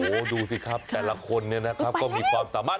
โอ้โหดูสิครับแต่ละคนเนี่ยนะครับก็มีความสามารถ